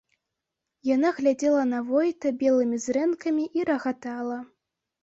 Яна глядзела на войта белымі зрэнкамі і рагатала.